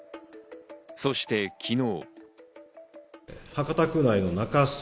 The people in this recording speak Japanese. そして昨日。